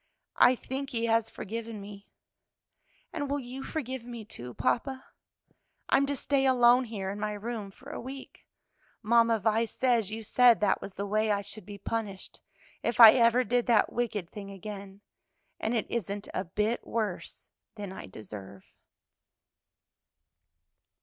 "I think He has forgiven me, and will you forgive me, too, papa? I'm to stay alone here in my room for a week. Mamma Vi says you said that was the way I should be punished, if I ever did that wicked thing again, and it isn't a bit worse than I deserve."